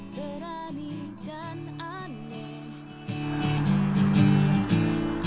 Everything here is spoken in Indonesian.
berani dan aneh